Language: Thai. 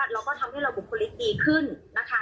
แล้วก็ทำให้เรากลุ่มภูมิดีขึ้นนะคะ